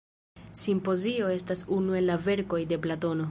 Simpozio estas unu el la verkoj de Platono.